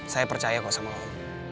saya percaya kok sama allah